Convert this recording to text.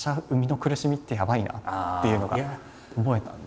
っていうのが思えたんで。